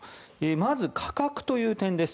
まず価格という点です。